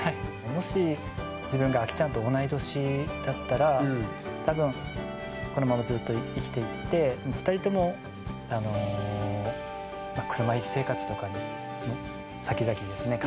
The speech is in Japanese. もし自分がアキちゃんと同い年だったら多分このままずっと生きていって２人ともあの車いす生活とかにさきざきですね